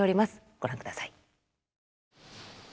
ご覧ください。